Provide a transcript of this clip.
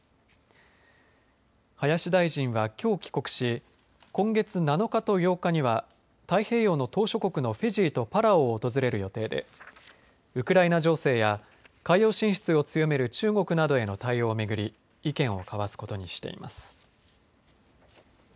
林大臣は、きょう帰国し今月７日と８日には太平洋の島しょ国のフィジーとパラオを訪れる予定でウクライナ情勢や海洋進出を強める中国などへの対応を巡り意見を交わすことにしています。